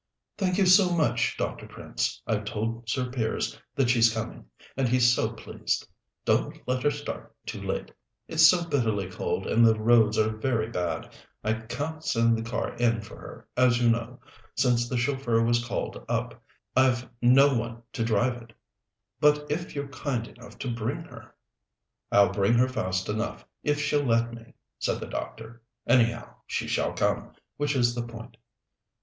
"Thank you so much, Dr. Prince. I've told Sir Piers that she's coming, and he's so pleased. Don't let her start too late; it's so bitterly cold and the roads are very bad. I can't send the car in for her, as you know; since the chauffeur was called up, I've no one to drive it. But if you're kind enough to bring her " "I'll bring her fast enough, if she'll let me," said the doctor. "Anyhow, she shall come, which is the point.